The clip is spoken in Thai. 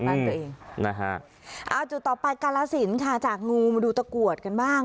เอาจุดต่อไปกาลสินจากงูมาดูตะกรวดกันบ้าง